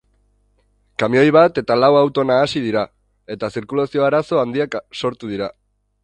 Kamioi bat eta lau auto nahasi dira, eta zirkulazio-arazo handiak sortu dira.